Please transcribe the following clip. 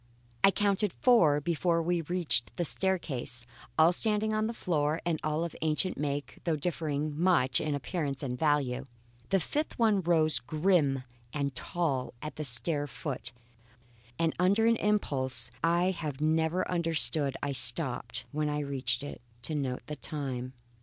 I counted four before I reached the staircase, all standing on the floor and all of ancient make, though differing much in appearance and value. A fifth one rose grim and tall at the stair foot, and under an impulse I have never understood I stopped, when I reached it, to note the time.